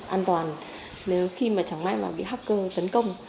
an toàn nếu khi mà chẳng may mà bị hacker tấn công